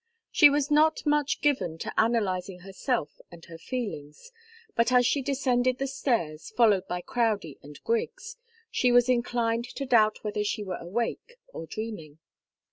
She was not much given to analyzing herself and her feelings, but as she descended the stairs, followed by Crowdie and Griggs, she was inclined to doubt whether she were awake, or dreaming.